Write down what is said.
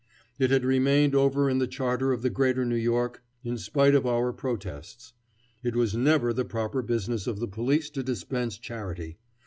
It had remained over in the Charter of the Greater New York in spite of our protests. It was never the proper business of the police to dispense charity.